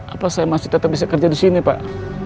apa saya masih tetap bisa kerja disini pak